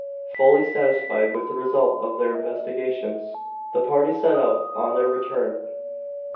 Fully satisfied with the result of their investigations, the party set out on their return.